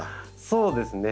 そうですね。